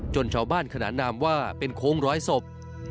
ชาวบ้านขนานนามว่าเป็นโค้งร้อยศพ